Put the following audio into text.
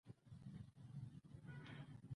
آیا دوی د کانونو په اړه خبرې نه کوي؟